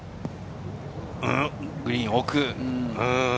グリーン奥。